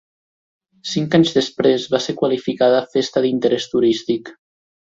Cinc anys després va ser qualificada festa d'interès turístic.